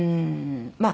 まあ